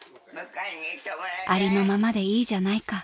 ［ありのままでいいじゃないか］